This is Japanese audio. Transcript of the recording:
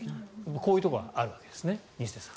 こういうところはあるわけですね西出さん。